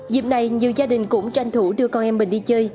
dịp này nhiều gia đình cũng tranh thủ đưa con em mình đi chơi